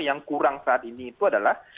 yang kurang saat ini itu adalah